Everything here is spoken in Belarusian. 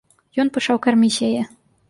Ён пачаў карміць яе.